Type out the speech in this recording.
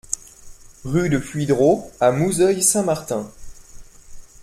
Rue de Puydreau à Mouzeuil-Saint-Martin